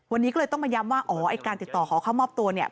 วันนี้ก็เลยต้องมาย้ำว่าอ๋อไอ้การติดต่อขอเข้ามอบตัวเนี่ย